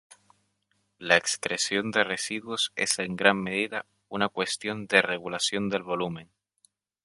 La excreción de residuos es en gran medida una cuestión de regulación del volumen.